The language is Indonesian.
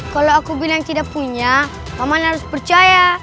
kalau aku bilang tidak punya maman harus percaya